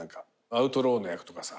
アウトローの役とかさ。